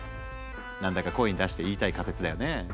何だか声に出して言いたい仮説だよね。